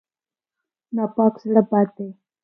ناپاک زړه بد دی.